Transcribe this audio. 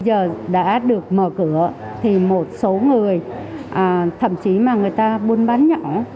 giờ đã được mở cửa thì một số người thậm chí mà người ta buôn bán nhỏ